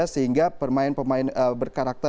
sehingga pemain pemain berkarakter